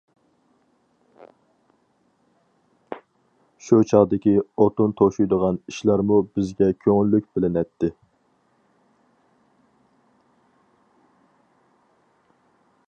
شۇ چاغدىكى ئوتۇن توشۇيدىغان ئىشلارمۇ بىزگە كۆڭۈللۈك بىلىنەتتى.